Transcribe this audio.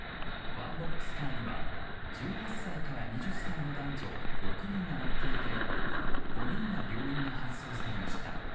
ワンボックスカーには１８歳から２０歳の男女６人が乗っていて５人が病院に搬送されました。